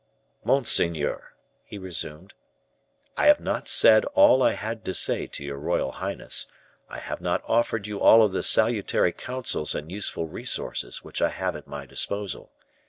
"Monseigneur," he resumed, "I have not said all I had to say to your royal highness; I have not offered you all the salutary counsels and useful resources which I have at my disposal.